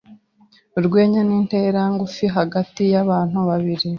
Urwenya nintera ngufi hagati yabantu babiri.